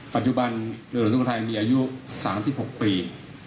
ปัจจุบันเรือหลวงสวทัยมีอายุ๓๖ปี